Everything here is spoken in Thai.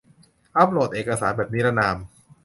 อัพโหลดเอกสารแบบนิรนาม